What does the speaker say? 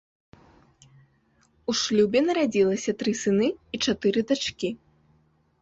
У шлюбе нарадзілася тры сыны і чатыры дачкі.